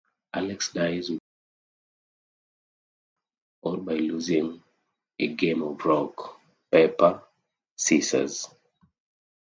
Alex dies with one hit, or by losing a game of rock, paper, scissors.